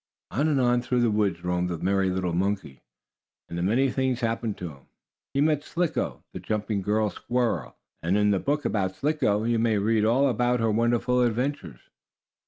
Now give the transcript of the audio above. On and on through the woods roamed the merry little monkey, and many things happened to him. He met Slicko, the jumping girl squirrel, and in the book about Slicko you may read all about her wonderful adventures.